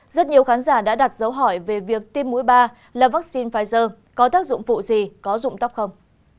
rất nhiều khán giả đã đặt dấu hỏi về việc tiêm mũi ba là vaccine pfizer có tác dụng phụ gì có dụng tóc không